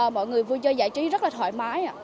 mọi người vui chơi giải trí rất là thoải mái